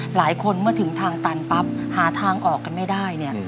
หลายคนเมื่อถึงทางตันปั๊บหาทางออกกันไม่ได้เนี่ย